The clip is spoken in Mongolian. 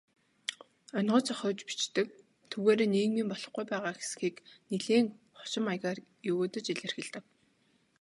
Онигоо зохиож бичдэг, түүгээрээ нийгмийн болохгүй байгаа хэсгийг нэлээн хошин маягаар егөөдөж илэрхийлдэг.